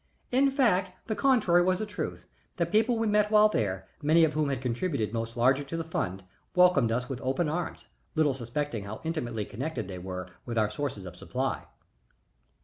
In fact, the contrary was the truth. The people we met while there, many of whom had contributed most largely to the fund, welcomed us with open arms, little suspecting how intimately connected they were with our sources of supply.